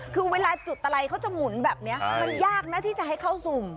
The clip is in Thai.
คือเวลาจุดอะไรเขาจะหมุนแบบนี้มันยากนะที่จะให้เข้าสุ่ม